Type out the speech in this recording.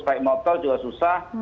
baik motor juga susah